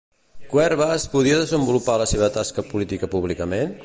Cuevas podia desenvolupar la seva tasca política públicament?